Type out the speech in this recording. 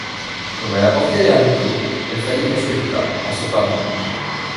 Comme elle apportait les haricots, elle faillit casser le plat, en se pâmant.